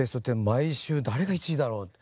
毎週誰が１位だろう。